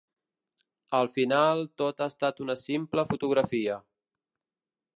Al final tot ha estat una simple fotografia.